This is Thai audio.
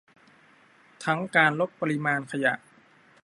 ทั้งการลดปริมาณขยะ